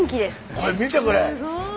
これ見てこれ。